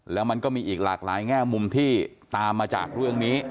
แล้วมันก็มีอีกหลากหลายแง่มุมที่ตามมาจากเรื่องนี้